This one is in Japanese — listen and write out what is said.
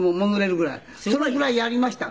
すごい。それぐらいやりました。